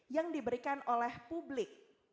yang diberikan oleh publik